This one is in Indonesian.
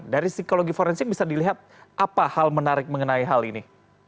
dari psikologi forensik bisa dilihat apa hal menarik mengenai hal ini